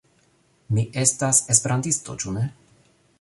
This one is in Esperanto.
Mi estas esperantisto, ĉu ne?